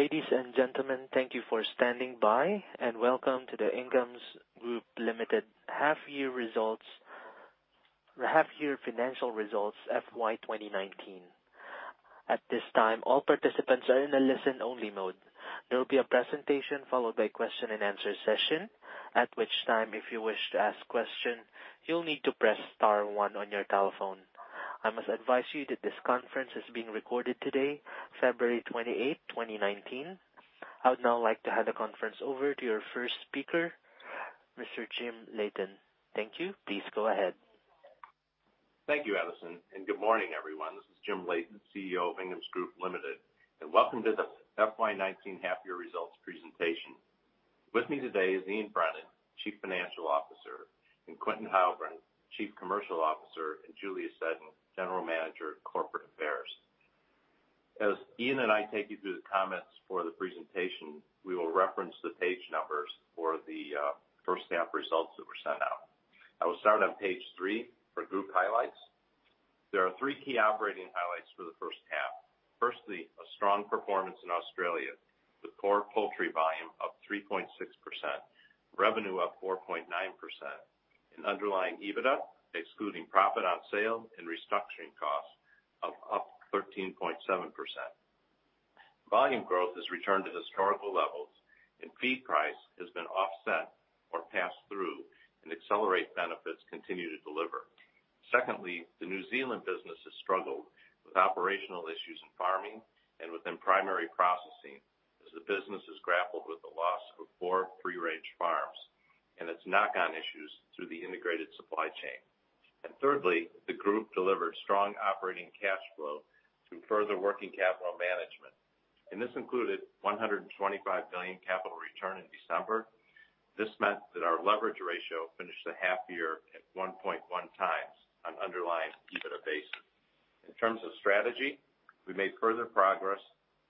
Ladies and gentlemen, thank you for standing by. Welcome to the Inghams Group Limited half year financial results FY 2019. At this time, all participants are in a listen-only mode. There will be a presentation followed by question and answer session, at which time, if you wish to ask question, you'll need to press star one on your telephone. I must advise you that this conference is being recorded today, February 28, 2019. I would now like to hand the conference over to your first speaker, Mr. Jim Leighton. Thank you. Please go ahead. Thank you, Alison. Good morning, everyone. This is Jim Leighton, CEO of Inghams Group Limited. Welcome to the FY 19 half year results presentation. With me today is Ian Brannan, Chief Financial Officer, Quinton Hildebrand, Chief Commercial Officer, and Julia Seddon, General Manager of Corporate Affairs. As Ian and I take you through the comments for the presentation, we will reference the page numbers for the first half results that were sent out. I will start on page three for group highlights. There are three key operating highlights for the first half. Firstly, a strong performance in Australia with core poultry volume up 3.6%, revenue up 4.9%, and underlying EBITDA, excluding profit on sale and restructuring costs, up 13.7%. Volume growth has returned to historical levels. Feed price has been offset or passed through. Accelerate benefits continue to deliver. Secondly, the New Zealand business has struggled with operational issues in farming and within primary processing as the business has grappled with the loss of four free-range farms and its knock-on issues through the integrated supply chain. Thirdly, the group delivered strong operating cash flow through further working capital management. This included 125 million capital return in December. This meant that our leverage ratio finished the half year at 1.1x on underlying EBITDA base. In terms of strategy, we made further progress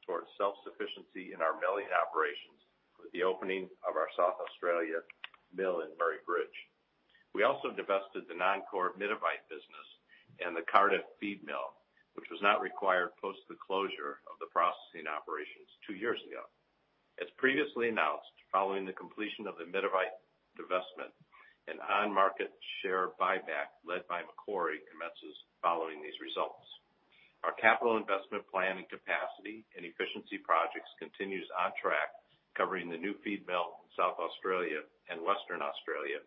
towards self-sufficiency in our milling operations with the opening of our South Australia mill in Murray Bridge. We also divested the non-core Mitavite business and the Cardiff feed mill, which was not required post the closure of the processing operations two years ago. As previously announced, following the completion of the Mitavite divestment, an on-market share buyback led by Macquarie commences following these results. Our capital investment plan and capacity and efficiency projects continues on track covering the new feed mill in South Australia and Western Australia,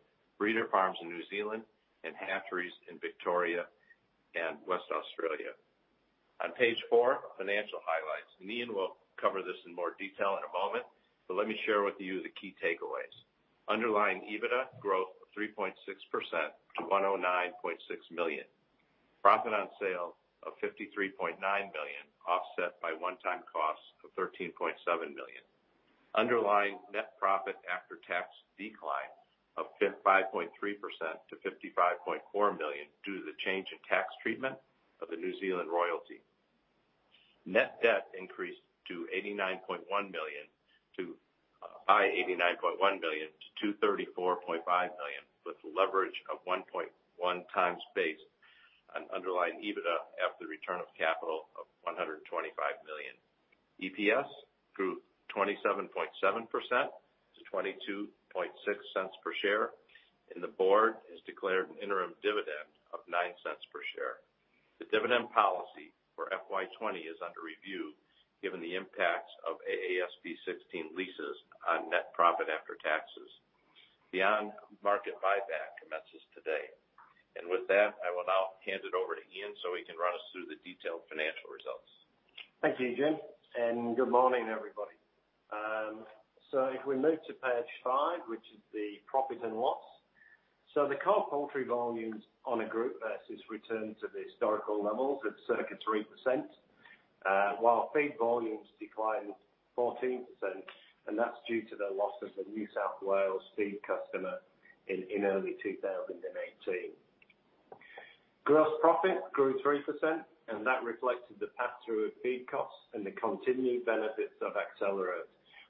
breeder farms in New Zealand, and hatcheries in Victoria and West Australia. On page four, financial highlights. Ian will cover this in more detail in a moment. Let me share with you the key takeaways. Underlying EBITDA growth of 3.6% to 109.6 million. Profit on sale of 53.9 million, offset by one-time costs of 13.7 million. Underlying net profit after tax decline of 5.3% to 55.4 million due to the change in tax treatment of the New Zealand royalty. Net debt increased 89.1 million to 234.5 million with leverage of 1.1x base on underlying EBITDA after the return of capital of 125 million. EPS grew 27.7% to 0.226 per share. The board has declared an interim dividend of 0.09 per share. The dividend policy for FY 2020 is under review given the impacts of AASB 16 leases on net profit after taxes. The on-market buyback commences today. With that, I will now hand it over to Ian so he can run us through the detailed financial results. Thank you, Jim, and good morning, everybody. If we move to page five, which is the profit and loss. The core poultry volumes on a group versus return to the historical levels at circa 3%, while feed volumes declined 14%, and that's due to the loss of the New South Wales feed customer in early 2018. Gross profit grew 3%, that reflected the pass-through of feed costs and the continued benefits of Accelerate,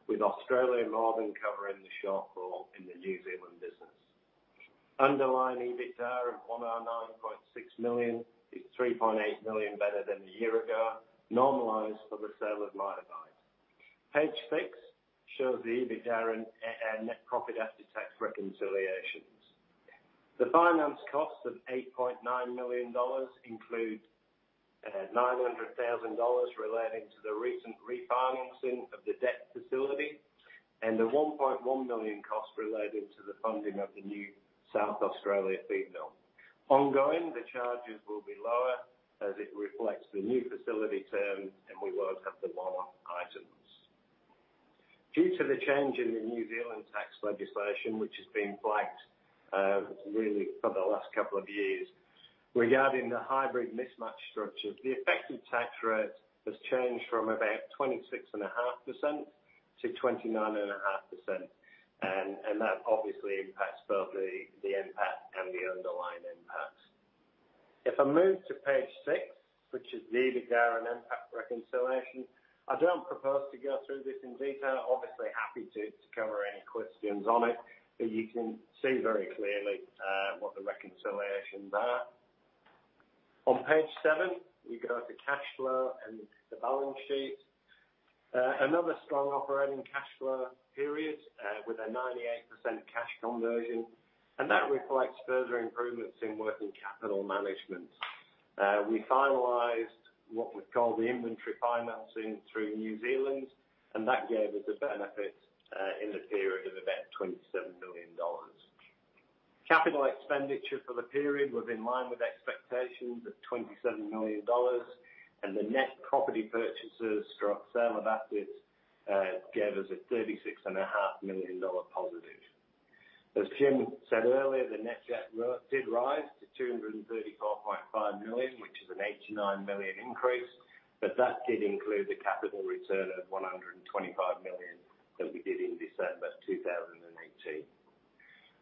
with Australia more than covering the shortfall in the New Zealand business. Underlying EBITDA of 109.6 million is 3.8 million better than a year ago, normalized for the sale of Mitavite. Page six shows the EBITDA and net profit after tax reconciliations. The finance costs of 8.9 million dollars include 900,000 dollars relating to the recent refinancing of the debt facility and the 1.1 million cost related to the funding of the new South Australia feed mill. Ongoing, the charges will be lower as it reflects the new facility terms, we won't have the one-off items. Due to the change in the New Zealand tax legislation, which has been flagged really for the last couple of years regarding the hybrid mismatch structure, the effective tax rate has changed from about 26.5%-29.5%, that obviously impacts both the EBITDA and the underlying EBITDA. I move to page six, which is the EBITDA and EBITDA reconciliation, I don't propose to go through this in detail. Obviously happy to cover any questions on it, you can see very clearly what the reconciliation there. On page seven, we go to cash flow and the balance sheet. Another strong operating cash flow period with a 98% cash conversion, that reflects further improvements in working capital management. We finalized what we call the inventory financing through New Zealand, that gave us a benefit in the period of about 27 million dollars. Capital expenditure for the period was in line with expectations of 27 million dollars, the net property purchases, net sale of assets gave us a 36.5 million dollar positive. As Jim said earlier, the net debt did rise to 234.5 million, which is an 89 million increase, that did include the capital return of 125 million that we did in December 2018.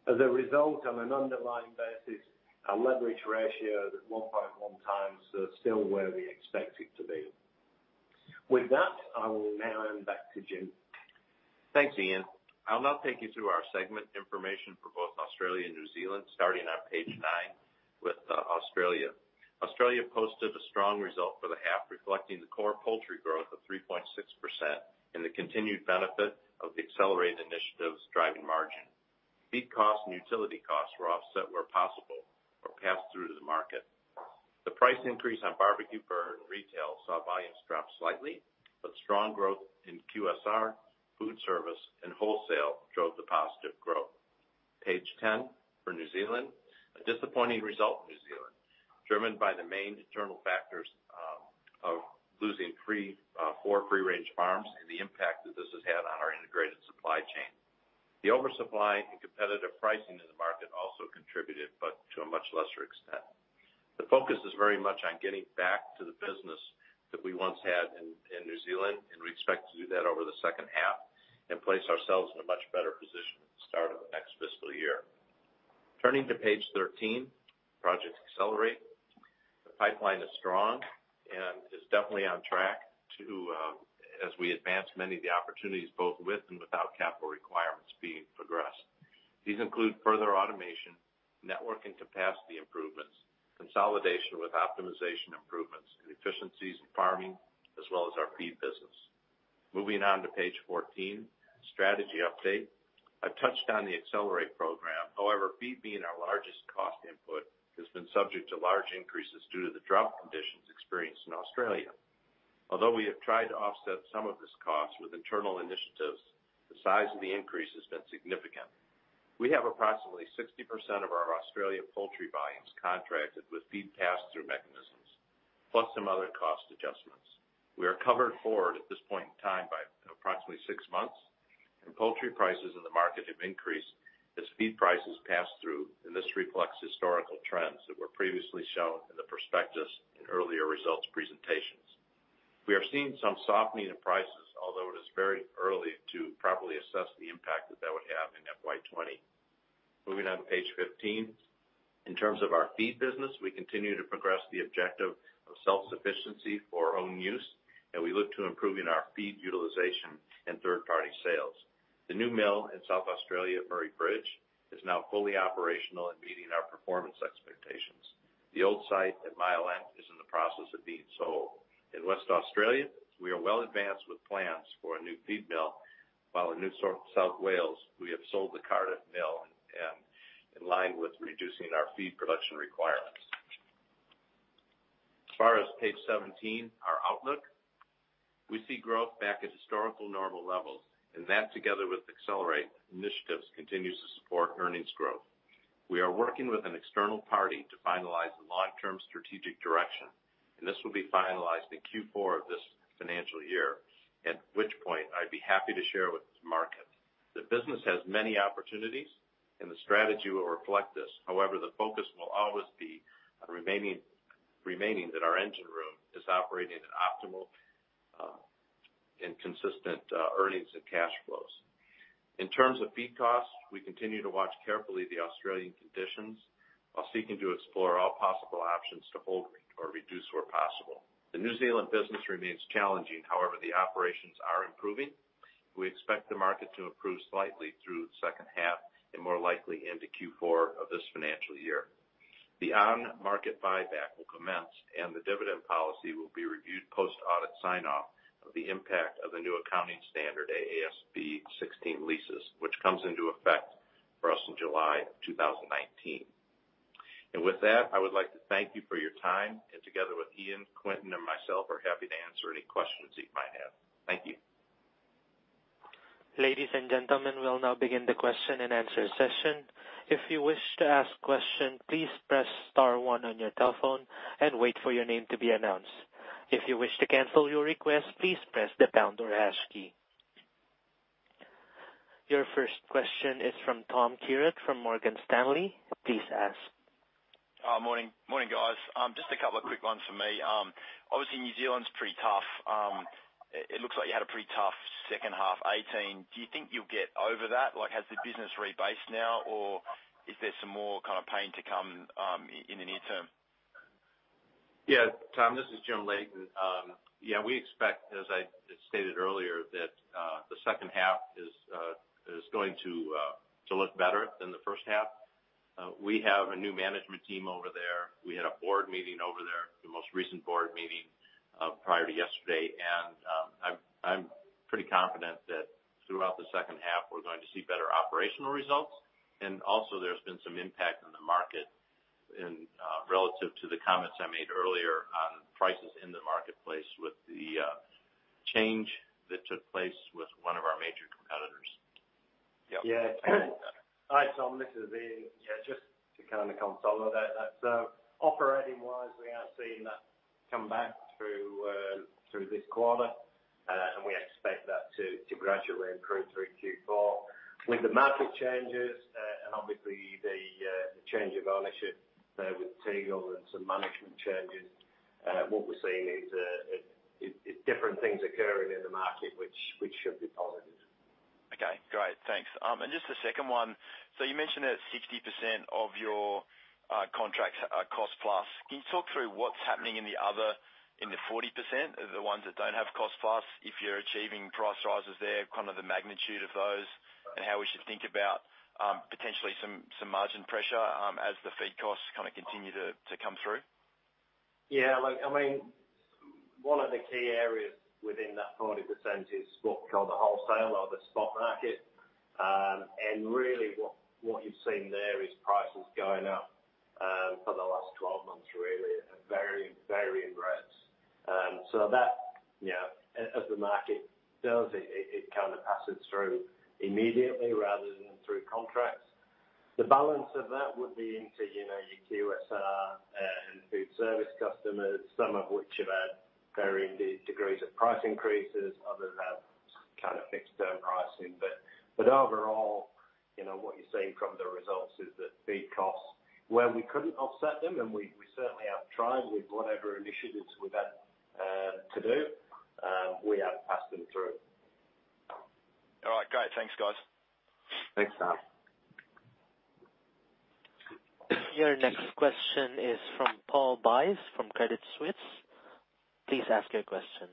As a result, on an underlying basis, our leverage ratio at 1.1x are still where we expect it to be. With that, I will now hand back to Jim. Thanks, Ian. I'll now take you through our segment information for both Australia and New Zealand, starting on page nine with Australia. Australia posted a strong result for the half, reflecting the core poultry growth of 3.6% and the continued benefit of the accelerated initiatives driving margin. Feed cost and utility costs were offset where possible or passed through to the market. The price increase on barbecue bird in retail saw volumes drop slightly. Strong growth in QSR, food service, and wholesale drove the positive growth. Page 10 for New Zealand. A disappointing result in New Zealand, driven by the main internal factors of losing four free-range farms and the impact that this has had on our integrated supply chain. The oversupply and competitive pricing in the market also contributed, to a much lesser extent. The focus is very much on getting back to the business that we once had in New Zealand. We expect to do that over the second half and place ourselves in a much better position at the start of the next fiscal year. Turning to page 13, Project Accelerate. The pipeline is strong and is definitely on track as we advance many of the opportunities both with and without capital requirements being progressed. These include further automation, network and capacity improvements, consolidation with optimization improvements and efficiencies in farming, as well as our feed business. Moving on to page 14, strategy update. I've touched on the Accelerate program. Feed being our largest cost input has been subject to large increases due to the drought conditions experienced in Australia. We have tried to offset some of this cost with internal initiatives, the size of the increase has been significant. We have approximately 60% of our Australian poultry volumes contracted with feed pass-through mechanisms, plus some other cost adjustments. We are covered forward at this point in time by approximately six months. Poultry prices in the market have increased as feed prices pass through. This reflects historical trends that were previously shown in the prospectus in earlier results presentations. We are seeing some softening in prices, although it is very early to properly assess the impact that that would have in FY 2020. Moving on to page 15. In terms of our feed business, we continue to progress the objective of self-sufficiency for our own use. We look to improving our feed utilization and third-party sales. The new mill in South Australia at Murray Bridge is now fully operational and meeting our performance expectations. The old site at Myalup is in the process of being sold. In West Australia, we are well advanced with plans for a new feed mill, while in New South Wales we have sold the Cardiff mill in line with reducing our feed production requirements. As far as page 17, our outlook. That together with Project Accelerate initiatives continues to support earnings growth. We are working with an external party to finalize the long-term strategic direction, and this will be finalized in Q4 of this financial year. At which point I'd be happy to share with the market. The business has many opportunities, the strategy will reflect this. The focus will always be remaining that our engine room is operating at optimal and consistent earnings and cash flows. In terms of feed costs, we continue to watch carefully the Australian conditions while seeking to explore all possible options to hold or reduce where possible. The New Zealand business remains challenging. The operations are improving. We expect the market to improve slightly through the second half and more likely into Q4 of this financial year. The on-market buyback will commence, and the dividend policy will be reviewed post-audit sign-off of the impact of the new accounting standard, AASB 16 leases, which comes into effect for us in July 2019. With that, I would like to thank you for your time and together with Ian, Quinton, and myself are happy to answer any questions that you might have. Thank you. Ladies and gentlemen, we'll now begin the question and answer session. If you wish to ask question, please press star one on your telephone and wait for your name to be announced. If you wish to cancel your request, please press the pound or hash key. Your first question is from Tom Kierath from Morgan Stanley. Please ask. Morning, guys. A couple of quick ones from me. New Zealand's pretty tough. It looks like you had a pretty tough second half 2018. Do you think you'll get over that? Has the business rebased now, or is there some more pain to come in the near term? Tom, this is Jim Leighton. We expect, as I stated earlier, that the second half is going to look better than the first half. We have a new management team over there. We had a board meeting over there, the most recent board meeting prior to yesterday. I'm pretty confident that throughout the second half we're going to see better operational results. Also, there's been some impact on the market relative to the comments I made earlier on prices in the marketplace with the change that took place with one of our major competitors. Yes. Hi, Tom, this is Ian. Just to kind of console that, operating wise, we are seeing that come back through this quarter, and we expect that to gradually improve through Q4. With the market changes, and obviously the change of ownership, with Tegel and some management changes, what we're seeing is different things occurring in the market which should be positive. Okay, great. Thanks. Just a second one. You mentioned that 60% of your contracts are cost-plus. Can you talk through what's happening in the other, in the 40%, the ones that don't have cost-plus, if you're achieving price rises there, kind of the magnitude of those, and how we should think about potentially some margin pressure, as the feed costs kind of continue to come through? Look, one of the key areas within that 40% is what we call the wholesale or the spot market. Really, what you've seen there is prices going up for the last 12 months, really, at varying rates. That as the market does, it kind of passes through immediately rather than through contracts. The balance of that would be into your QSR and food service customers, some of which have had varying degrees of price increases. Others have kind of fixed their pricing. Overall, what you're seeing from the results is that feed costs, where we couldn't offset them, and we certainly have tried with whatever initiatives we've had to do, we have passed them through. All right, great. Thanks, guys. Thanks, Tom. Your next question is from Paul Buys from Credit Suisse. Please ask your question.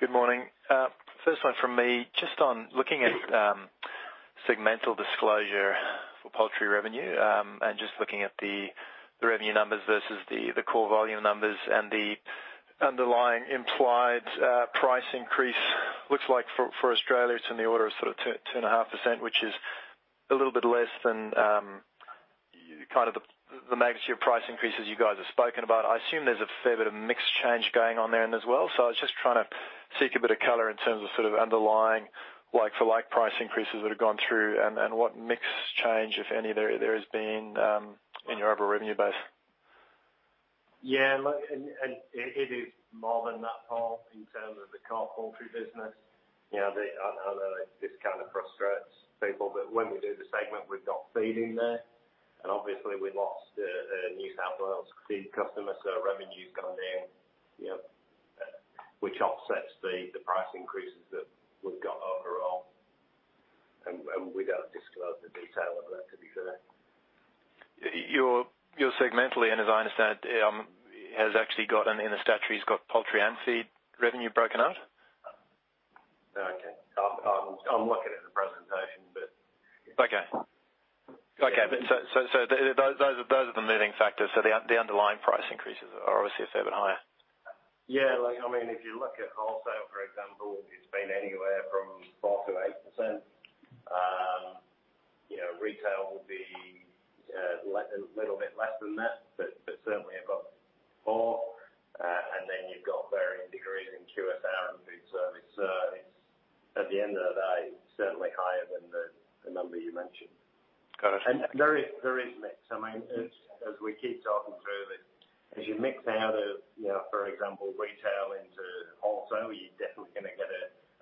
Good morning. First one from me, just on looking at segmental disclosure for poultry revenue, and just looking at the revenue numbers versus the core volume numbers and the underlying implied price increase. Looks like for Australia, it's in the order of sort of 2.5%, which is a little bit less than kind of the magnitude of price increases you guys have spoken about. I assume there's a fair bit of mix change going on there and as well. I was just trying to seek a bit of color in terms of sort of underlying like-for-like price increases that have gone through and what mix change, if any, there has been in your overall revenue base. Yeah, look, it is more than that, Paul, in terms of the core poultry business. I know this kind of frustrates people, but when we do the segment, we've got feed in there, and obviously we lost a New South Wales feed customer, so revenue's gone down, which offsets the price increases that we've got overall. We don't disclose the detail of that, to be fair. Your segmental, and as I understand, has actually got in the statutory poultry and feed revenue broken out? No, I can't. I'm looking at the presentation. Okay. Those are the moving factors. The underlying price increases are obviously a fair bit higher. Yeah, if you look at wholesale, for example, it's been anywhere from 4%-8%. Retail will be a little bit less than that, but certainly about four. Then you've got varying degrees in QSR and food service. It's at the end of the day, certainly higher than the number you mentioned. Got it. There is mix. As we keep talking through this, as you mix out of, for example, retail into wholesale, you're definitely going to get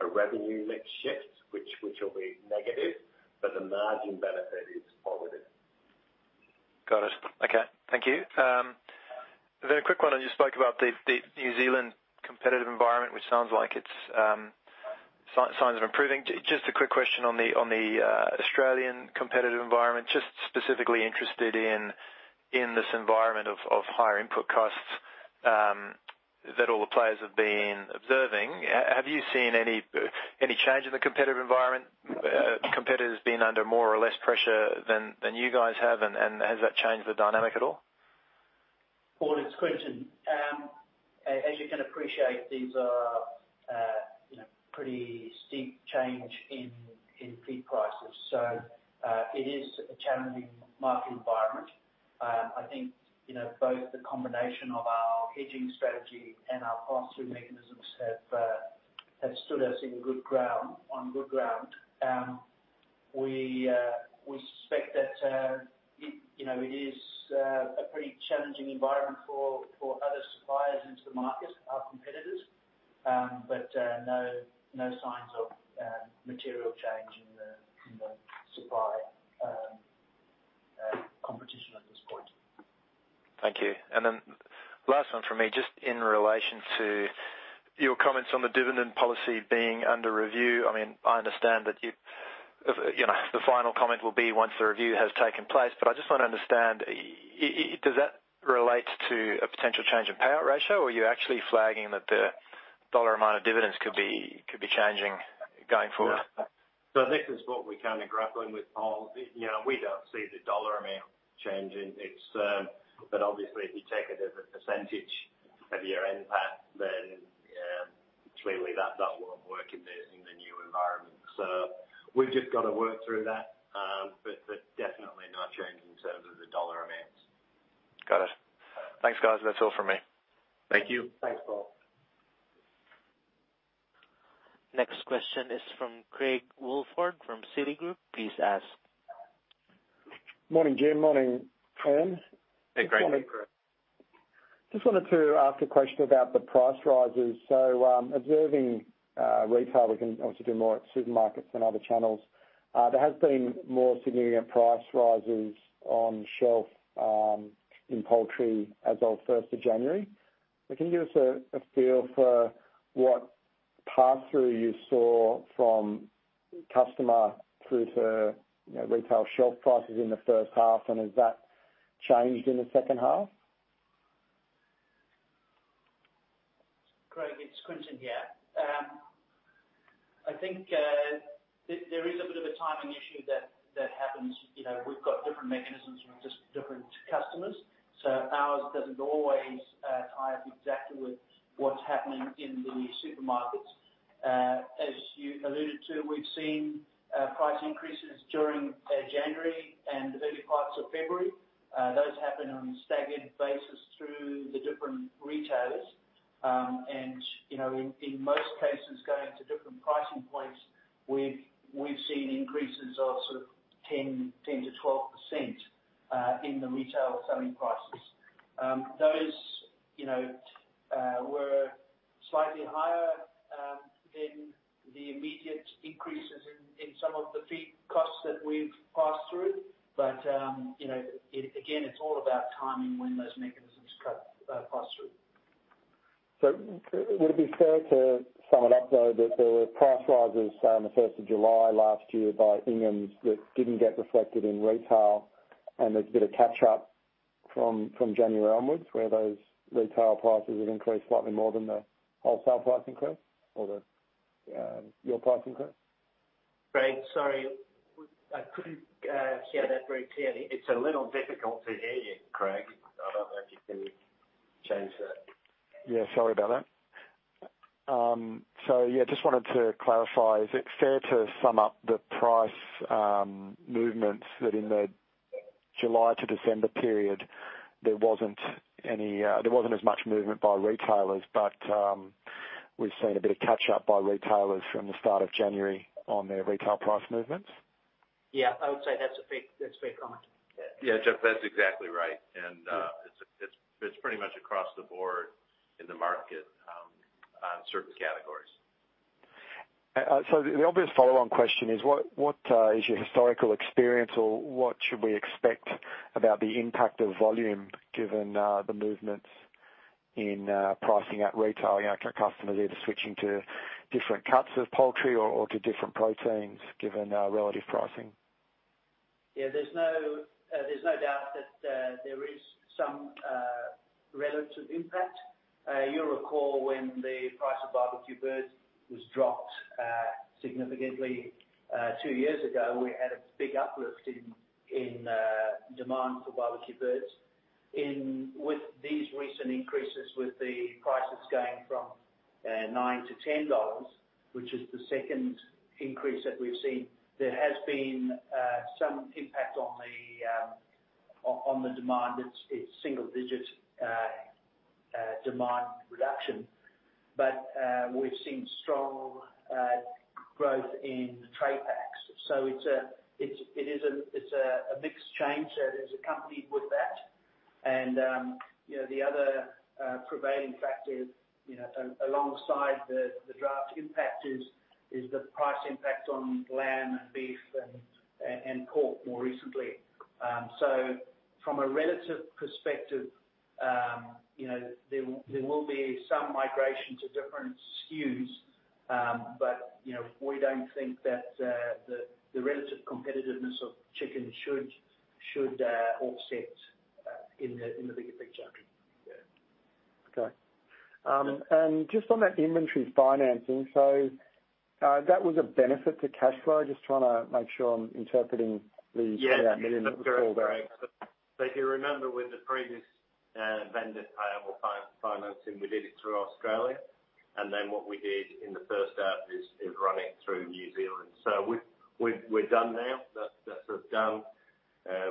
a revenue mix shift, which will be negative, the margin benefit is positive. Got it. Okay. Thank you. A quick one, you spoke about the New Zealand competitive environment, which sounds like it's signs of improving. Just a quick question on the Australian competitive environment, just specifically interested in this environment of higher input costs that all the players have been observing. Have you seen any change in the competitive environment, competitors being under more or less pressure than you guys have? Has that changed the dynamic at all? Paul, it's Quinton. As you can appreciate, these are pretty steep change in feed prices. It is a challenging market environment. I think both the combination of our hedging strategy and our pass-through mechanisms have stood us on good ground. We suspect that it is a pretty challenging environment for other suppliers into the market, our competitors, no signs of material change in the supply competition at this point. Thank you. Last one from me, just in relation to your comments on the dividend policy being under review. I understand that the final comment will be once the review has taken place, I just want to understand, does that relate to a potential change in payout ratio, or are you actually flagging that the dollar amount of dividends could be changing going forward. This is what we're kind of grappling with, Paul. We don't see the dollar amount changing. Obviously if you take it as a percentage of year-end, Pat, clearly that won't work in the new environment. We've just got to work through that, definitely not changing in terms of the dollar amounts. Got it. Thanks, guys. That's all from me. Thank you. Thanks, Paul. Next question is from Craig Woolford from Citigroup. Please ask. Morning, Jim. Morning, team. Hey, Craig. Morning, Craig. Just wanted to ask a question about the price rises. Observing retail, we can obviously do more at supermarkets than other channels. There has been more significant price rises on shelf in poultry as of 1st of January. Can you give us a feel for what pass-through you saw from customer through to retail shelf prices in the first half, and has that changed in the second half? Craig, it's Quinton here. I think there is a bit of a timing issue that happens. We've got different mechanisms with different customers, ours doesn't always tie up exactly with what's happening in the supermarkets. As you alluded to, we've seen price increases during January and the very parts of February. Those happen on a staggered basis through the different retailers. In most cases, going to different pricing points, we've seen increases of 10%-12% in the retail selling prices. Those were slightly higher than the immediate increases in some of the feed costs that we've passed through. Again, it's all about timing when those mechanisms pass through. Would it be fair to sum it up, though, that there were price rises on the 1st of July last year by Inghams that didn't get reflected in retail, and there's a bit of catch-up from January onwards, where those retail prices have increased slightly more than the wholesale price increase or your pricing increase? Craig, sorry. I couldn't hear that very clearly. It's a little difficult to hear you, Craig. I don't know if you can change that. Yeah, sorry about that. Just wanted to clarify, is it fair to sum up the price movements that in the July to December period, there wasn't as much movement by retailers, but we've seen a bit of catch-up by retailers from the start of January on their retail price movements? Yeah, I would say that's a fair comment, yeah. Yeah, that's exactly right. It's pretty much across the board in the market on certain categories. The obvious follow-on question is, what is your historical experience, or what should we expect about the impact of volume given the movements in pricing at retail? Are customers either switching to different cuts of poultry or to different proteins given relative pricing? Yeah, there's no doubt that there is some relative impact. You'll recall when the price of barbecue birds was dropped significantly two years ago, we had a big uplift in demand for barbecue birds. With these recent increases, with the prices going from $9-$10, which is the second increase that we've seen, there has been some impact on the demand. It's single-digit demand reduction. We've seen strong growth in the trade packs. It's a mixed change that is accompanied with that. The other prevailing factor alongside the drought impact is the price impact on lamb and beef and pork more recently. From a relative perspective, there will be some migration to different SKUs. We don't think that the relative competitiveness of chicken should offset in the bigger picture. Yeah. Okay. Just on that inventory financing, that was a benefit to cash flow. Just trying to make sure I'm interpreting the Yeah million that was called out. If you remember with the previous vendor payable financing, we did it through Australia. What we did in the first half is run it through New Zealand. We're done now. That's done.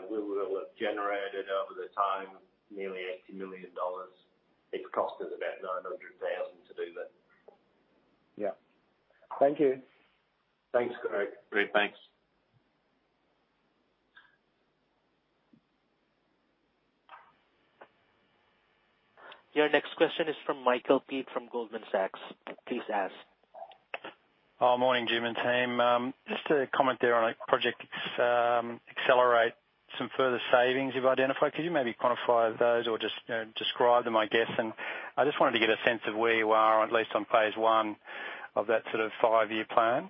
We will have generated over the time nearly $80 million. It cost us about 900,000 to do that. Yeah. Thank you. Thanks, Craig. Craig, thanks. Your next question is from Michael Peet from Goldman Sachs. Please ask. Morning, Jim and team. Just to comment there on Project Accelerate, some further savings you've identified. Could you maybe quantify those or just describe them, I guess? I just wanted to get a sense of where you are, at least on phase 1 of that five-year plan.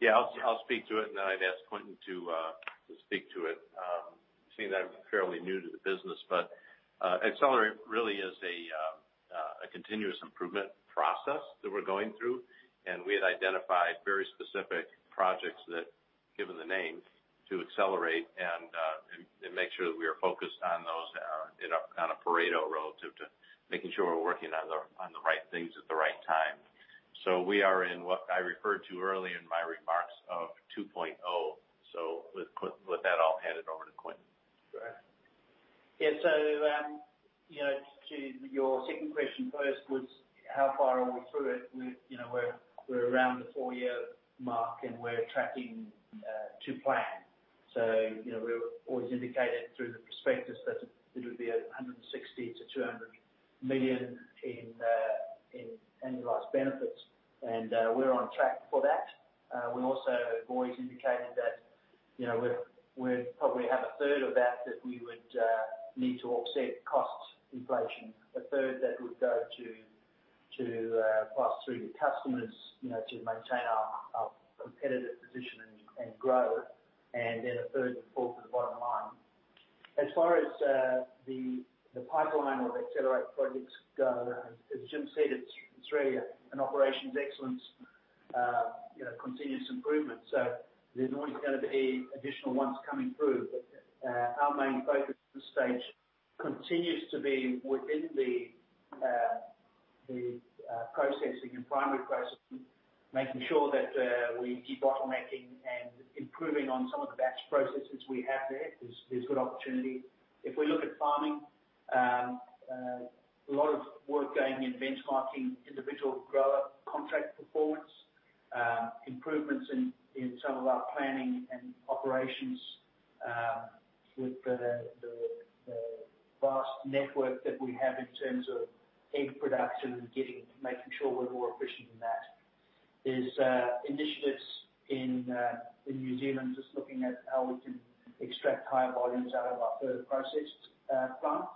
Yeah, I'll speak to it, then I'd ask Quinton to speak to it. Seeing that I'm fairly new to the business, Accelerate really is a continuous improvement process that we're going through, and we had identified very specific projects that, given the name to Accelerate, and make sure that we are focused on those on a Pareto relative to making sure we're working on the right things at the right time. We are in what I referred to early in my remarks of 2.0. With that, I'll hand it over to Quinton. Great. To your second question first was, how far are we through it? We're around the four-year mark, and we're tracking to plan. We always indicated through the prospectus that it would be 160 million-200 million in annualized benefits. We're on track for that. We also have always indicated that we'd probably have a third of that we would need to offset cost inflation, a third that would go to pass through to customers to maintain our competitive position and growth, and then a third and fourth to the bottom line. As far as the pipeline of Accelerate projects go, as Jim said, it's really an operations excellence continuous improvement. There's always going to be additional ones coming through. Our main focus at this stage continues to be within the processing and primary processing, making sure that we keep bottlenecking and improving on some of the batch processes we have there. There's good opportunity. If we look at farming, a lot of work going in benchmarking individual grower contract performance, improvements in some of our planning and operations with the vast network that we have in terms of egg production and making sure we're more efficient in that. There's initiatives in New Zealand, just looking at how we can extract higher volumes out of our Further Processing plants.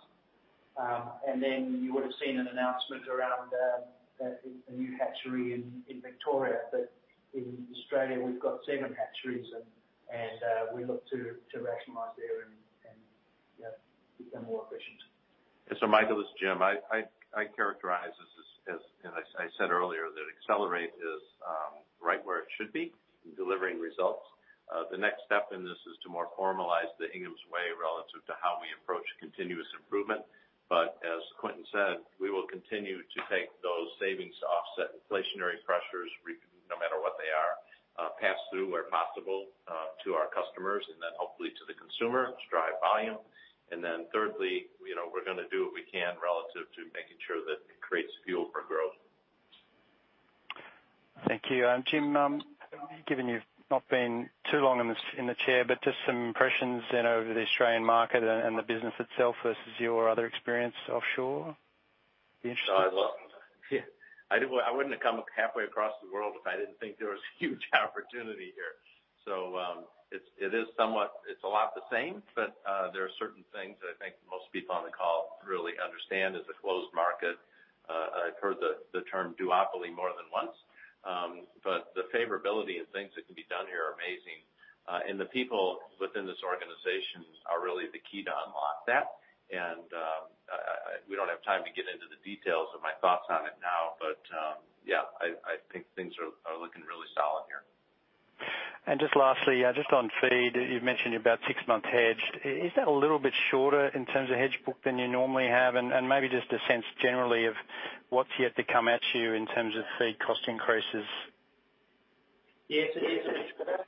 You would've seen an announcement around the new hatchery in Victoria. In Australia, we've got seven hatcheries, and we look to rationalize there and become more efficient. Michael, this is Jim. I characterize this as, I said earlier, that Accelerate is right where it should be in delivering results. The next step in this is to more formalize the Inghams Way relative to how we approach continuous improvement. As Quinton said, we will continue to take those savings to offset inflationary pressures, no matter what they are, pass through where possible, to our customers, and then hopefully to the consumer to drive volume. Thirdly, we're going to do what we can relative to making sure that it creates fuel for growth. Thank you. Jim, given you've not been too long in the chair, but just some impressions over the Australian market and the business itself versus your other experience offshore. Be interesting. Well, I wouldn't have come halfway across the world if I didn't think there was huge opportunity here. It's a lot the same, but there are certain things that I think most people on the call really understand, is a closed market. I've heard the term duopoly more than once. The favorability of things that can be done here are amazing. The people within this organization are really the key to unlock that. We don't have time to get into the details of my thoughts on it now. Yeah, I think things are looking really solid here. Just lastly, just on feed, you've mentioned you're about six months hedged. Is that a little bit shorter in terms of hedge book than you normally have? Maybe just a sense generally of what's yet to come at you in terms of feed cost increases. Yes. It is a bit shorter.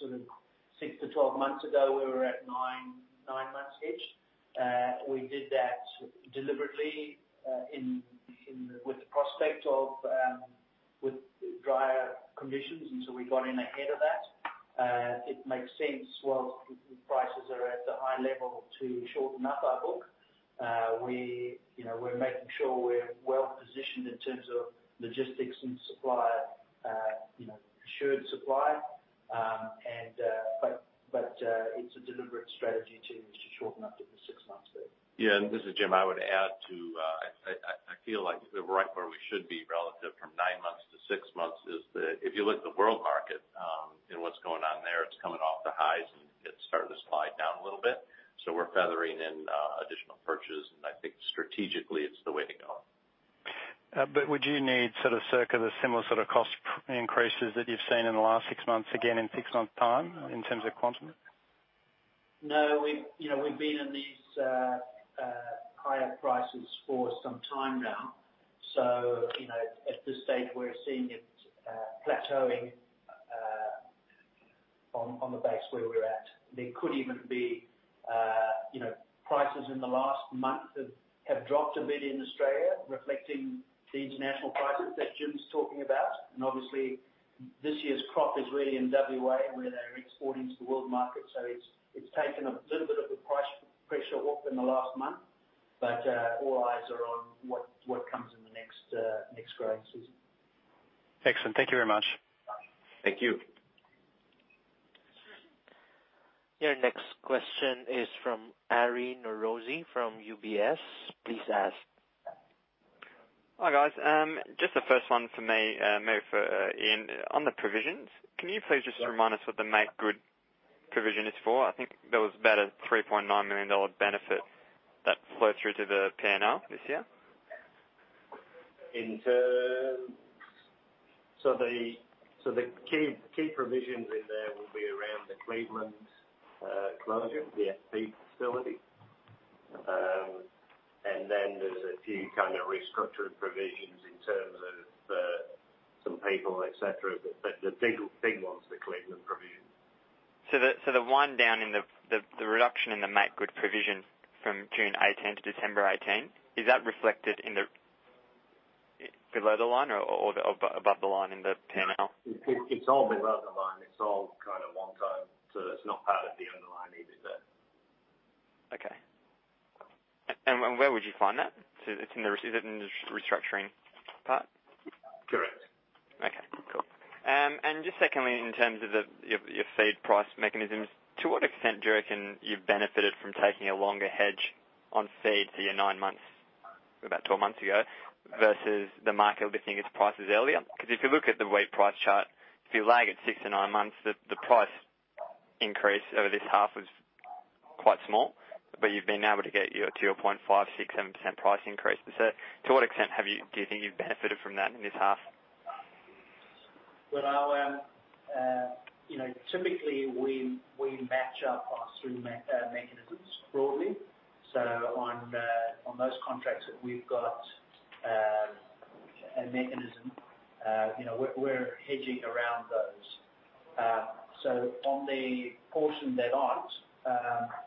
Sort of 6-12 months ago, we were at nine months hedged. We did that deliberately with the prospect of drier conditions, we got in ahead of that. It makes sense whilst prices are at the high level to shorten up our book. We're making sure we're well positioned in terms of logistics and supplier assured supply. It's a deliberate strategy to shorten up to the six months book. Yeah, this is Jim. I would add too, I feel like we're right where we should be relative from nine months to six months, is that if you look at the world market, and what's going on there, it's coming off the highs, and it's started to slide down a little bit. We're feathering in additional purchases, and I think strategically it's the way to go. Would you need sort of circa the similar sort of cost increases that you've seen in the last six months, again in six months' time in terms of quantum? No, we've been in these the international prices that Jim's talking about. Obviously, this year's crop is really in W.A., where they're exporting to the world market. It's taken a little bit of the price pressure off in the last month. All eyes are on what comes in the next growing season. Excellent. Thank you very much. Thank you. Your next question is from Aryan Norozi from UBS. Please ask. Hi, guys. Just the first one from me, maybe for Ian. On the provisions, can you please just remind us what the make-good provision is for? I think there was about an AUD 3.9 million benefit that flowed through to the P&L this year. The key provisions in there will be around the Cleveland closure, the FP facility. Then there's a few kind of restructuring provisions in terms of some people, et cetera. The big one's the Cleveland provision. The one down in the reduction in the make-good provision from June 2018 to December 2018, is that reflected below the line or above the line in the P&L? It's all below the line. It's all kind of one-time. It's not part of the underlying EBITDA. Okay. Where would you find that? Is it in the restructuring part? Correct. Okay, cool. Just secondly, in terms of your feed price mechanisms, to what extent do you reckon you've benefited from taking a longer hedge on feed for your nine months, about 12 months ago, versus the market lifting its prices earlier? Because if you look at the wheat price chart, if you lag it six to nine months, the price increase over this half was quite small, but you've been able to get your 2.567% price increase. To what extent do you think you've benefited from that in this half? Well, typically, we match our price through mechanisms broadly. On those contracts that we've got a mechanism, we're hedging around those. On the portion that aren't,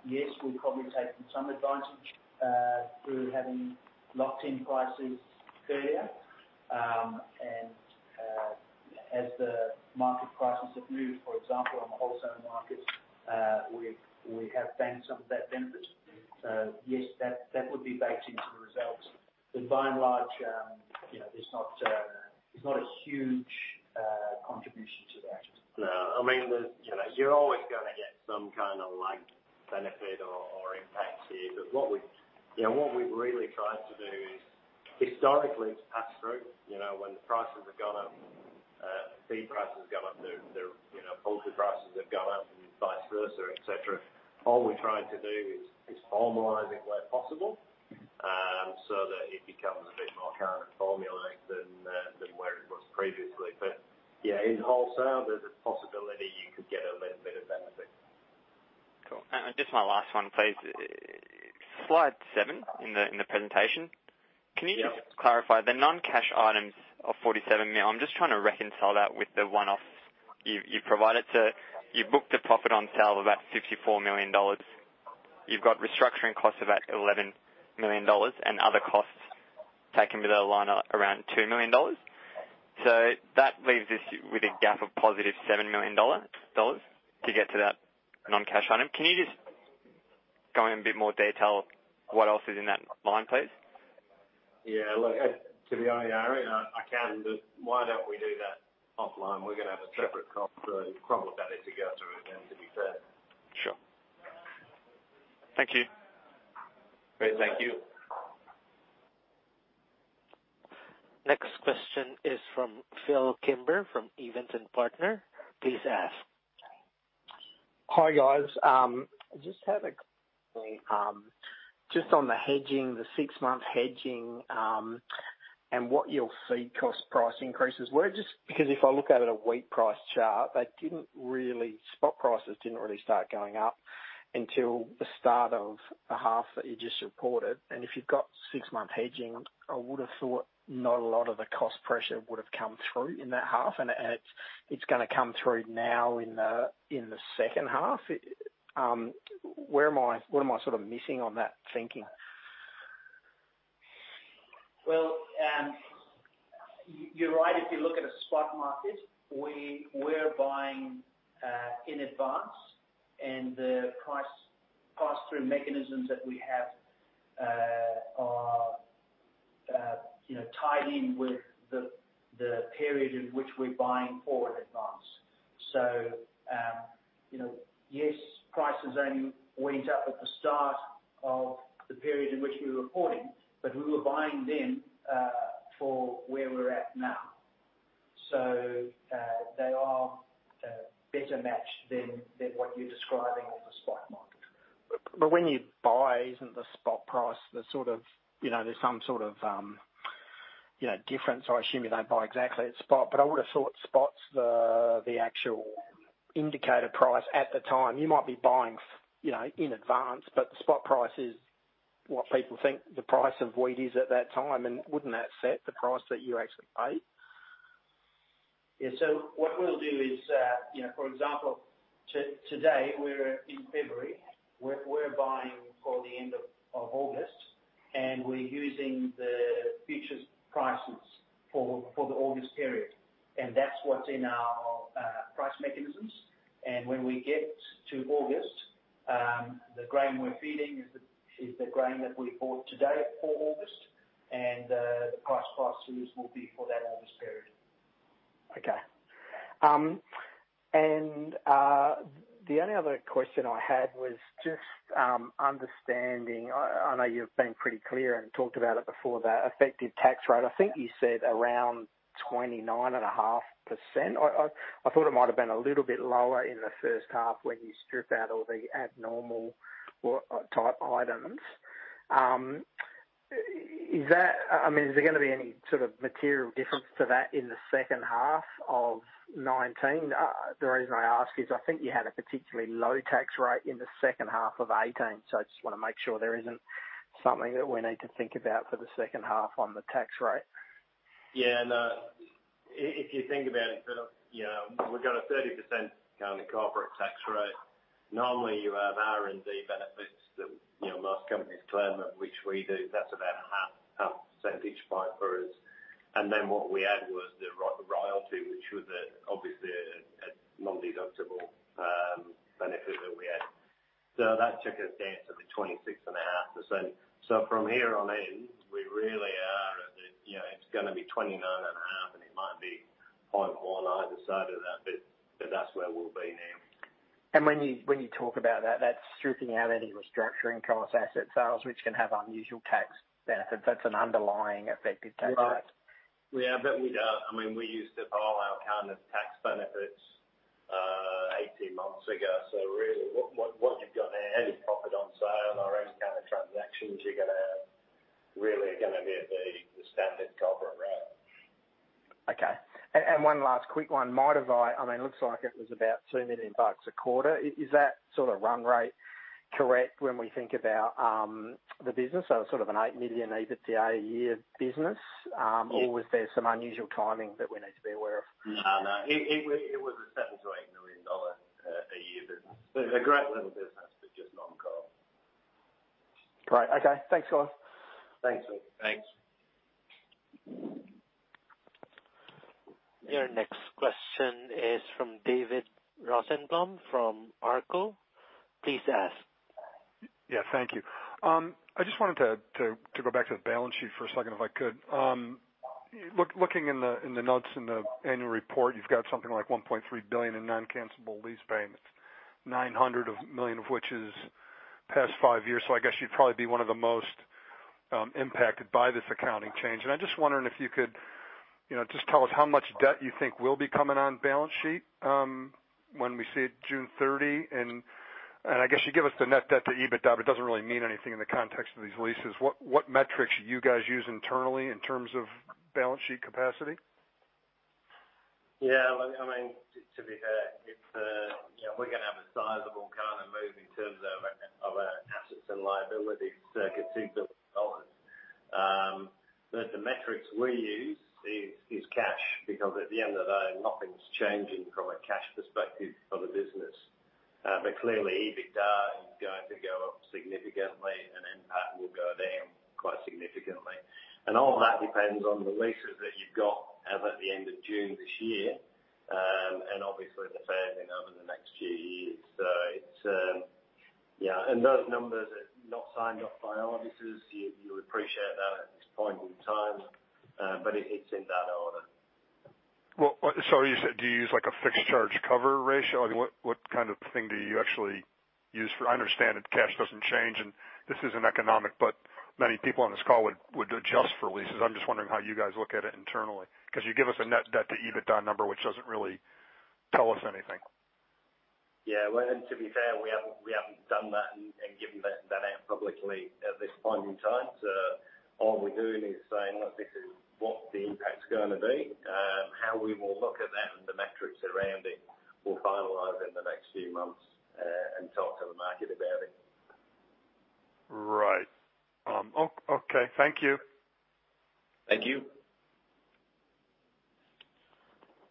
yes, we've probably taken some advantage through having locked in prices earlier. As the market prices have moved, for example, on the wholesale market, we have banked some of that benefit. Yes, that would be baked into the results. By and large, there's not a huge contribution to that. No. You're always going to get some kind of lagged benefit or impact here. What we've really tried to do is, historically, to pass through. When the prices have gone up, feed prices go up, the poultry prices have gone up, and vice versa, et cetera. All we're trying to do is formalize it where possible so that it becomes a bit more current formulae than where it was previously. Yeah, in wholesale, there's a possibility you could get a little bit of benefit. Cool. Just my last one, please. Slide seven in the presentation. Yeah. Can you just clarify the non-cash items of 47 million. I'm just trying to reconcile that with the one-offs you've provided. You booked a profit on sale of about $64 million. You've got restructuring costs of about $11 million and other costs taken below the line are around $2 million. That leaves us with a gap of positive $7 million to get to that non-cash item. Can you just go in a bit more detail what else is in that line, please? Yeah, look, to be honest, Aryan, our accountant, why don't we do that offline? We're going to have a separate call to crumble that if you go through it then, to be fair. Sure. Thank you. Great. Thank you. Next question is from Phillip Kimber, from Evans and Partners. Please ask. Hi, guys. I just have a query, just on the hedging, the six-month hedging, and what your feed cost price increases were. Just because if I look at a wheat price chart, spot prices didn't really start going up until the start of the half that you just reported, and if you've got six-month hedging, I would've thought not a lot of the cost pressure would've come through in that half, and it's going to come through now in the second half. What am I sort of missing on that thinking? Well, you're right if you look at a spot market. We're buying in advance, and the price pass-through mechanisms that we have are tied in with the period in which we're buying forward advance. Yes, prices only went up at the start of the period in which we were reporting, but we were buying then for where we're at now. They are better matched than what you're describing on the spot market. When you buy, isn't the spot price, there's some sort of difference. I assume you don't buy exactly at spot, but I would've thought spot's the actual indicator price at the time. You might be buying in advance, but the spot price is what people think the price of wheat is at that time, and wouldn't that set the price that you actually pay? Yeah. What we'll do is, for example, today we're in February, we're buying for the end of August, and we're using the futures prices for the August period, and that's what's in our price mechanisms. When we get to August, the grain we're feeding is the grain that we bought today for August, and the price pass-throughs will be for that August period. Okay. The only other question I had was just understanding, I know you've been pretty clear and talked about it before, the effective tax rate. I think you said around 29.5%. I thought it might have been a little bit lower in the first half when you strip out all the abnormal type items. Is there going to be any material difference to that in the second half of 2019? The reason I ask is I think you had a particularly low tax rate in the second half of 2018, so I just want to make sure there isn't something that we need to think about for the second half on the tax rate. Yeah, no. If you think about it, we've got a 30% current corporate tax rate. Normally, you have R&D benefits that most companies claim, which we do. That's about a half a percentage point for us. Then what we add was the royalty, which was obviously a non-deductible benefit that we had. That took us down to the 26.5%. From here on in, it's going to be 29.5%, and it might be 0.1% either side of that, but that's where we'll be now. When you talk about that's stripping out any restructuring cost, asset sales, which can have unusual tax benefits. That's an underlying effective tax rate. Right. Yeah. We used up all our current tax benefits 18 months ago. Really, what you've got there, any profit on sale or any kind of transactions, you're really going to be at the standard corporate rate. Okay. One last quick one. Mitavite, it looks like it was about $2 million a quarter. Is that run rate correct when we think about the business? Sort of an $8 million EBITDA a year business? Or was there some unusual timing that we need to be aware of? No. It was an $7 million-$8 million a year business. A great little business, but just non-core. Great. Okay. Thanks, guys. Thanks. Thanks. Your next question is from David Rosenbloom from ARCO. Please ask. Thank you. I just wanted to go back to the balance sheet for a second if I could. Looking in the notes in the annual report, you've got something like 1.3 billion in non-cancelable lease payments, 900 million of which is past five years. I guess you'd probably be one of the most impacted by this accounting change. I'm just wondering if you could just tell us how much debt you think will be coming on balance sheet when we see it June 30? I guess you give us the net debt to EBITDA, but it doesn't really mean anything in the context of these leases. What metrics do you guys use internally in terms of balance sheet capacity? Yeah, to be fair, we're going to have a sizable move in terms of our assets and liabilities circa AUD 2 billion. The metrics we use is cash, because at the end of the day, nothing's changing from a cash perspective of the business. Clearly, EBITDA is going to go up significantly and impact will go down quite significantly. All that depends on the leases that you've got as at the end of June this year, and obviously the fair thing over the next few years. Those numbers are not signed off by our auditors. You'd appreciate that at this point in time, but it's in that order. Well, sorry, do you use a fixed charge cover ratio? What kind of thing do you actually use for I understand that cash doesn't change and this isn't economic, but many people on this call would adjust for leases. I'm just wondering how you guys look at it internally. You give us a net debt to EBITDA number, which doesn't really tell us anything. Yeah. Well, to be fair, we haven't done that and given that out publicly at this point in time. All we're doing is saying, "Look, this is what the impact's gonna be." How we will look at that and the metrics around it, we'll finalize in the next few months and talk to the market about it. Right. Okay. Thank you. Thank you.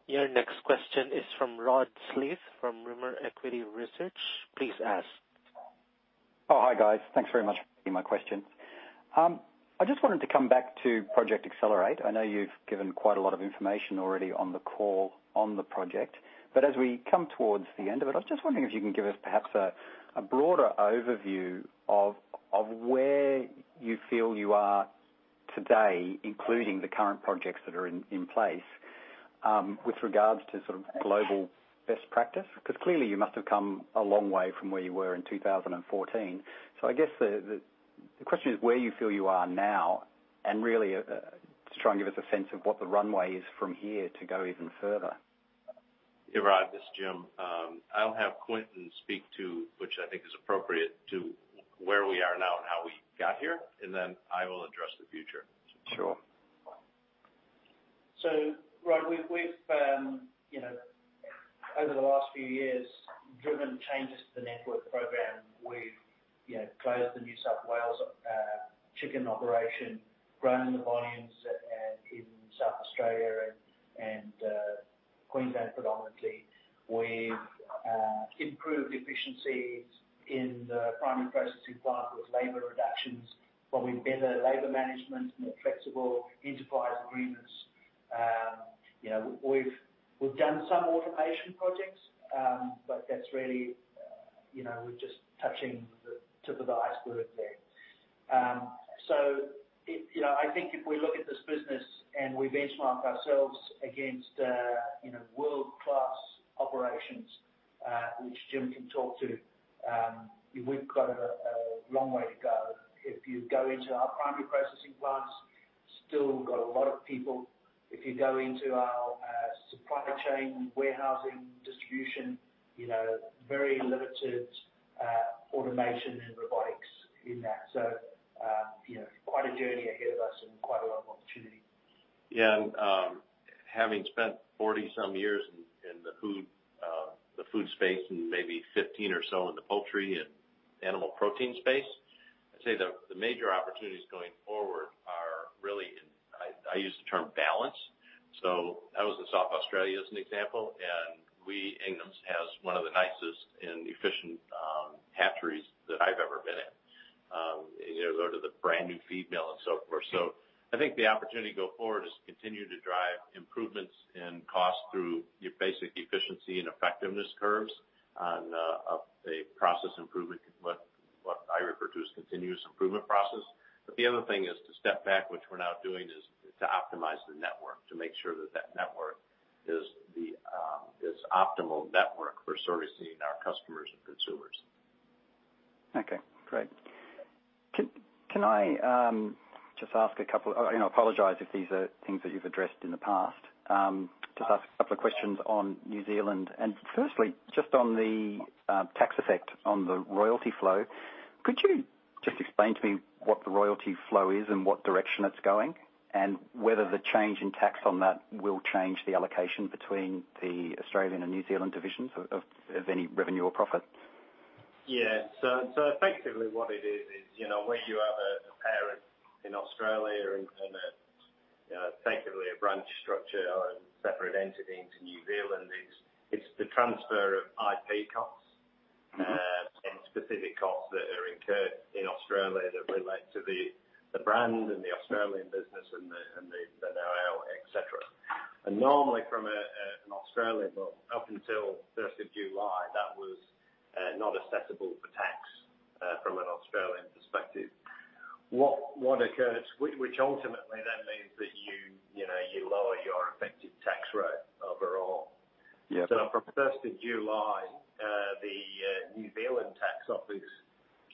Your next question is from Rod Sleath from Rimor Equity Research. Please ask. Hi, guys. Thanks very much for taking my question. I just wanted to come back to Project Accelerate. I know you've given quite a lot of information already on the call on the project. As we come towards the end of it, I was just wondering if you can give us perhaps a broader overview of where you feel you are today, including the current projects that are in place, with regards to global best practice. Clearly you must have come a long way from where you were in 2014. I guess the question is where you feel you are now and really just try and give us a sense of what the runway is from here to go even further. Rod, this is Jim. I'll have Quinton speak to, which I think is appropriate, to where we are now and how we got here, and then I will address the future. Sure. Rod, we've, over the last few years, driven changes to the network program. We've closed the New South Wales chicken operation, grown the volumes in South Australia and Queensland predominantly. We've improved efficiencies in the primary processing plant with labor reductions, but with better labor management and more flexible enterprise agreements. We've done some automation projects, but that's really just touching the tip of the iceberg there. I think if we look at this business and we benchmark ourselves against world-class operations, which Jim can talk to, we've got a long way to go. If you go into our primary processing plants, still got a lot of people. If you go into our supply chain, warehousing, distribution, very limited automation and robotics in that. Quite a journey ahead of us and quite a lot of opportunity. Yeah. Having spent 40 some years in the food space and maybe 15 or so in the poultry and animal protein space, I'd say the major opportunities going forward are really in, I use the term balance. I was in South Australia, as an example, and we, Inghams, has one of the nicest and efficient hatcheries that I've ever been in. Go to the brand-new feed mill and so forth. I think the opportunity go forward is to continue to drive improvements in cost through your basic efficiency and effectiveness curves on a process improvement, what I refer to as continuous improvement process. The other thing is to step back, which we're now doing, is to optimize the network to make sure that network is optimal network for servicing our customers and consumers. Okay, great. Can I just ask a couple I apologize if these are things that you've addressed in the past. Just ask a couple of questions on New Zealand, and firstly, just on the tax effect on the royalty flow. Could you just explain to me what the royalty flow is and what direction it's going, and whether the change in tax on that will change the allocation between the Australian and New Zealand divisions of any revenue or profit? Yeah. Effectively what it is, where you have a parent in Australia and effectively a branch structure and separate entity into New Zealand, it's the transfer of IP costs and specific costs that are incurred in Australia that relate to the brand and the Australian business and the NOL, et cetera. Normally from an Australian law, up until 1st of July, that was not assessable for tax from an Australian perspective. What occurs, which ultimately then means that you lower your effective tax rate overall. Yeah. From 1st of July, the New Zealand tax office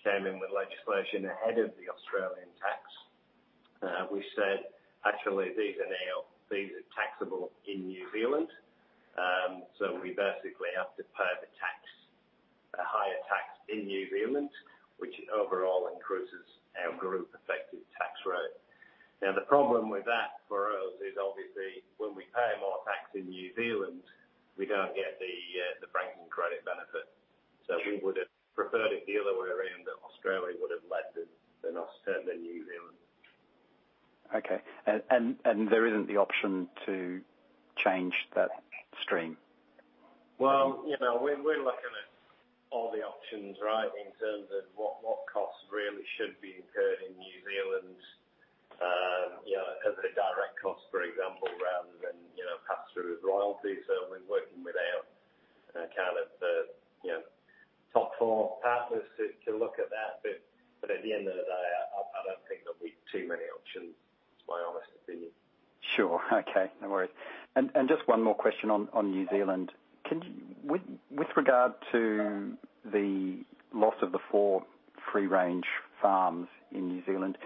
came in with legislation ahead of the Australian tax, which said, "Actually, these are now taxable in New Zealand." We basically have to pay the tax, a higher tax in New Zealand, which overall increases our group effective tax rate. Now, the problem with that for us is obviously when we pay more tax in New Zealand, we don't get the franking credit benefit. We would've preferred a deal that we're in Australia would've led to than us sell in New Zealand. Okay. There isn't the option to change that stream? Well, we're looking at all the options, right, in terms of what costs really should be incurred in New Zealand, as a direct cost, for example, rather than pass through as royalty. We're working with our top four partners to look at that. At the end of the day, I don't think there'll be too many options, is my honest opinion. Sure. Okay, no worries. Just one more question on New Zealand. With regard to the loss of the four free-range farms in New Zealand,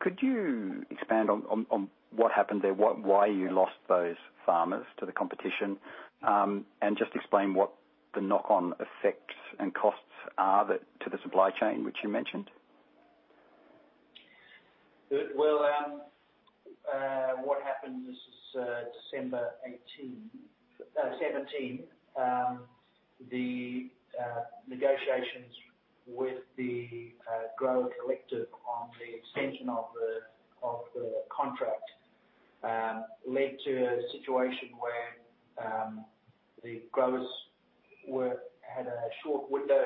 could you expand on what happened there, why you lost those farmers to the competition? Just explain what the knock-on effects and costs are to the supply chain, which you mentioned. What happened, this is December 2018, 2017, the negotiations with the grower collective on the extension of the contract led to a situation where the growers had a short window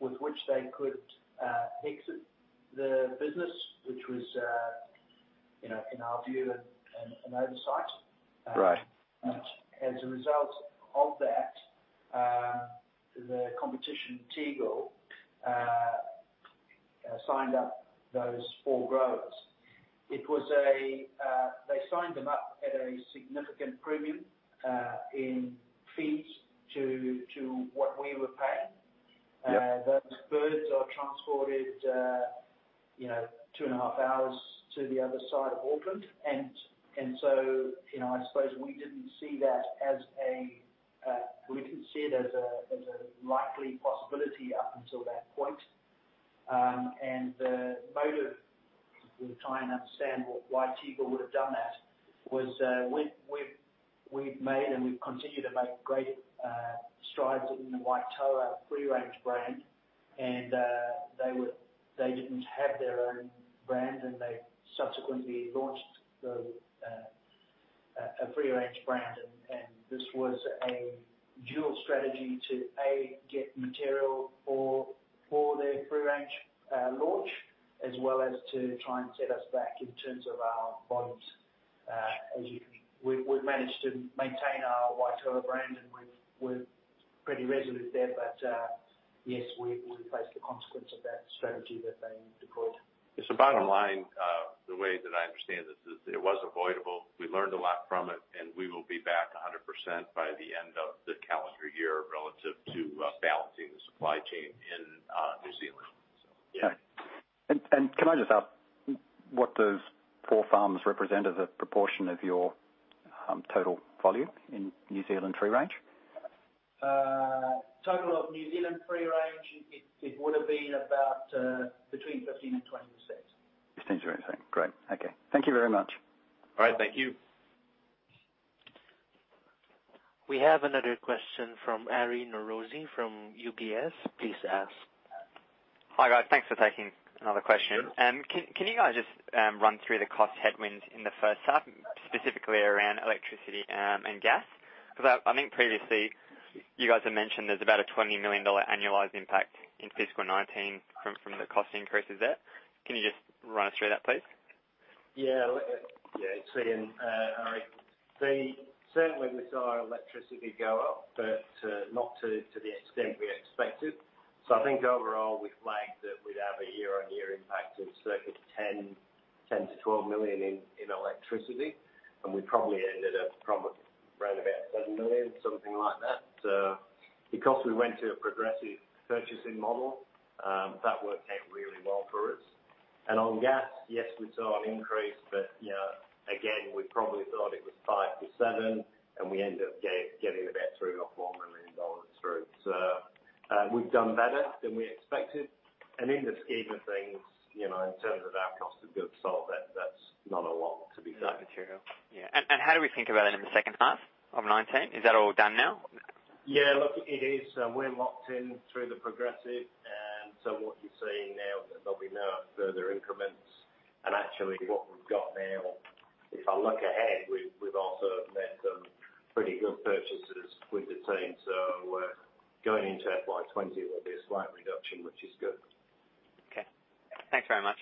with which they could exit the business, which was, in our view, an oversight. Right. As a result of that, the competition, Tegel, signed up those four growers. They signed them up at a significant premium in fees to what we were paying. Yeah. Those birds are transported two and a half hours to the other side of Auckland. I suppose we didn't see it as a likely possibility up until that point. The motive, we're trying to understand why Tegel would've done that, was we've made and we've continued to make great strides in the Waitoa free-range brand. They didn't have their own brand, and they subsequently launched a free-range brand, and this was a dual strategy to, A, get material for their free-range launch, as well as to try and set us back in terms of our volumes. We've managed to maintain our Waitoa brand, and we're pretty resolute there. Yes, we face the consequence of that strategy that they deployed. Bottom line, the way that I understand this is it was avoidable, we learned a lot from it, and we will be back 100% by the end of the calendar year relative to balancing the supply chain in New Zealand. Yeah. Okay. Can I just ask what those four farms represent as a proportion of your total volume in New Zealand free range? Total of New Zealand free range, it would've been about between 15% and 20%. 15%-20%. Great. Okay. Thank you very much. All right, thank you. We have another question from Aryan Norozi from UBS. Please ask. Hi, guys. Thanks for taking another question. Sure. Can you guys just run through the cost headwinds in the first half, specifically around electricity and gas? I think previously you guys have mentioned there's about an $20 million annualized impact in FY 2019 from the cost increases there. Can you just run us through that, please? Yeah, it's Ian. Aryan, certainly we saw electricity go up, but not to the extent we expected. I think overall, we flagged that we'd have a year-on-year impact of circa 10 million-12 million in electricity, and we probably ended up around about 7 million, something like that. We went to a progressive purchasing model, that worked out really well for us. On gas, yes, we saw an increase, but again, we probably thought it was five to seven, and we ended up getting about $3 million or $4 million through. We've done better than we expected. In the scheme of things, in terms of our cost of goods sold, that's not a lot to be fair. Not material. Yeah. How do we think about it in the second half of 2019? Is that all done now? Yeah. Look, it is. We're locked in through the progressive, and so what you're seeing now, there'll be no further increments. Actually, what we've got now, if I look ahead, we've also made some pretty good purchases with the team. Going into FY 2020 will be a slight reduction, which is good. Okay. Thanks very much.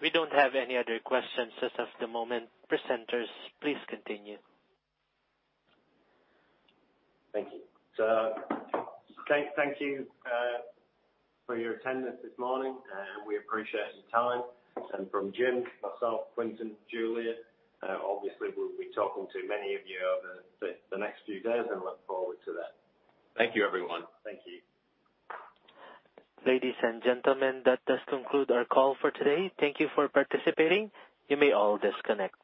We don't have any other questions as of the moment. Presenters, please continue. Thank you. Thank you for your attendance this morning, and we appreciate your time. From Jim, myself, Quinton, Julia, obviously we'll be talking to many of you over the next few days and look forward to that. Thank you, everyone. Thank you. Ladies and gentlemen, that does conclude our call for today. Thank you for participating. You may all disconnect.